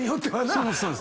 そうですそうです。